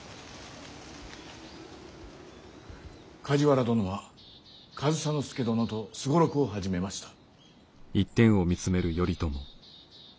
梶原殿は上総介殿と双六を始めました。